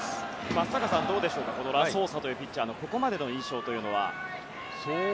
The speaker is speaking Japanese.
松坂さん、どうですかラソーサというピッチャーのここまでの印象は。